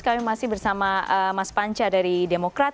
kami masih bersama mas panca dari demokrat